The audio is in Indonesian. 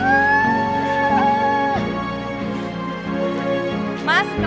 tidak apa apa disini disini